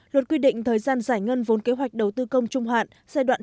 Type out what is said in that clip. luật quy định thời gian giải ngân vốn kế hoạch đầu tư công trung hạn